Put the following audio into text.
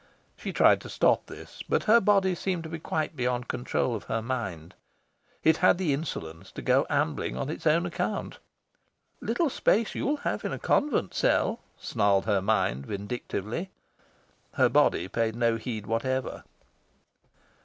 She tried to stop this; but her body seemed to be quite beyond control of her mind. It had the insolence to go ambling on its own account. "Little space you'll have in a convent cell," snarled her mind vindictively. Her body paid no heed whatever.